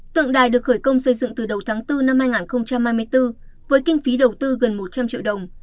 tượng đài được khởi công xây dựng từ đầu tháng bốn năm hai nghìn hai mươi bốn với kinh phí đầu tư gần một trăm linh triệu đồng